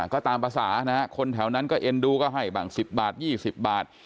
ก็ตามภาษานะฮะคนแถวนั้นก็เอ็นดูก็ให้บ้าง๑๐บาท๒๐บาท